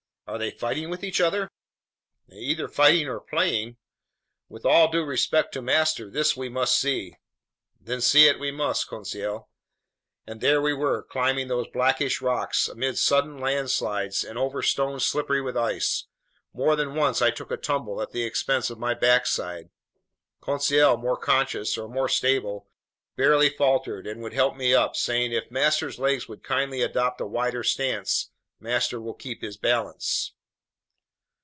"Are they fighting with each other?" "Either fighting or playing." "With all due respect to master, this we must see." "Then see it we must, Conseil." And there we were, climbing these blackish rocks amid sudden landslides and over stones slippery with ice. More than once I took a tumble at the expense of my backside. Conseil, more cautious or more stable, barely faltered and would help me up, saying: "If master's legs would kindly adopt a wider stance, master will keep his balance."